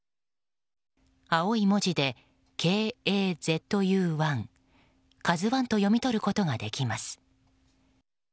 青い文字で「Ｋ、Ａ、Ｚ、Ｕ、１」「ＫＡＺＵ１」と読み取ることができます。